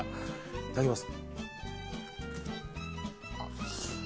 いただきます。